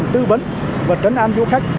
tư vấn và trấn an du khách